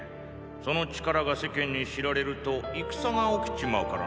その力が世間に知られると戦が起きちまうからな。